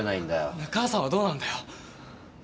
なあ母さんはどうなんだよ？